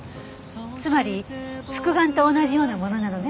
つまり復顔と同じようなものなのね。